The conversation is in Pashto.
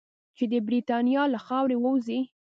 چې د برټانیې له خاورې ووځي.